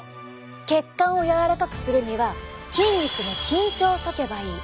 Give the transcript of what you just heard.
血管を柔らかくするには筋肉の緊張をとけばいい。